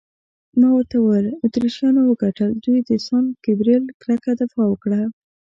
ما ورته وویل: اتریشیانو وګټل، دوی د سان ګبرېل کلکه دفاع وکړه.